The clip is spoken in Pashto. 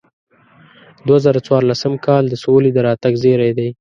دوه زره څوارلسم کال د سولې د راتګ زیری دی.